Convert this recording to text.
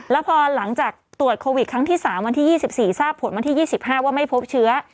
แล้วพอหลังจากตรวจโควิดครั้งที่๓วันที่๒๔ทราบผลวันที่๒๕ว่าไม่พบเชื้อ